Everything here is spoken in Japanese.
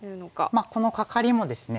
まあこのカカリもですね